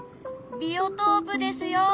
ビオトープですよ。